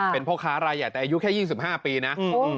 เป็นพ่อค้ารายใหญ่แต่อายุแค่๒๕ปีนะ